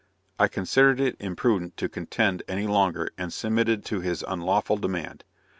I considered it imprudent to contend any longer, and submitted to his unlawful demand.